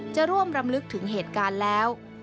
จะร่วมรำลึกถึงเหตุการณ์แล้ว